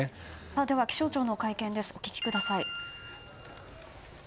では、気象庁の会見をお聞きください。